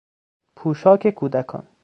پوشاک کودکان